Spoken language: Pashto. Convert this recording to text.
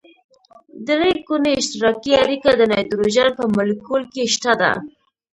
درې ګوني اشتراکي اړیکه د نایتروجن په مالیکول کې شته ده.